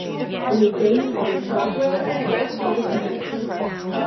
It is based on a software as a service model.